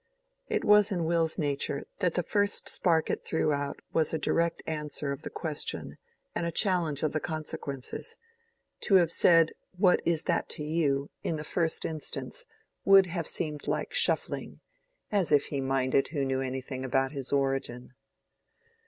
It was in Will's nature that the first spark it threw out was a direct answer of the question and a challenge of the consequences. To have said, "What is that to you?" in the first instance, would have seemed like shuffling—as if he minded who knew anything about his origin!